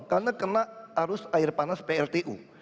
karena kena arus air panas pltu